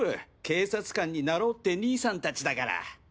警察官になろうって兄さん達だから。